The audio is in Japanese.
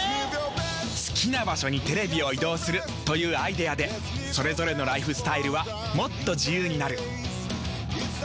好きな場所にテレビを移動するというアイデアでそれぞれのライフスタイルはもっと自由になる。